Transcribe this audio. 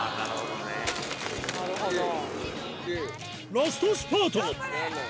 ラストスパート頑張れ！